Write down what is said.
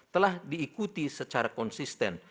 telah diikuti secara konsisten